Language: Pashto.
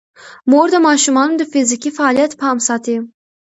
مور د ماشومانو د فزیکي فعالیت پام ساتي.